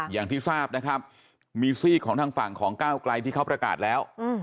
อย่างที่ทราบนะครับมีซีกของทางฝั่งของก้าวไกลที่เขาประกาศแล้ว